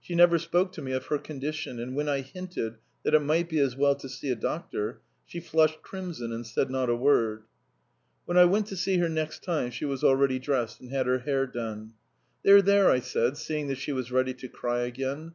She never spoke to me of her condition, and when I hinted that it might be as well to see a doctor, she flushed crimson and said not a word. When I went to see her next time she was already dressed and had her hair done. "There, there," I said, seeing that she was ready to cry again.